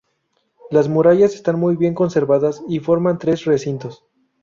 Las murallas están muy bien conservadas y forman tres recintos.